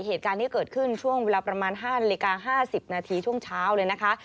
เหตุการณ์นี้เกิดขึ้นช่วงเวลาประมาณ๕นาฬิกา๕๐นาทีช่วงเช้าเลยนะคะ